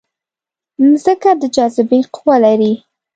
مځکه د جاذبې قوه لري.